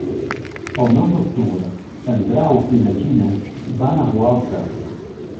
El nou d'octubre en Grau i na Gina van a Gualta.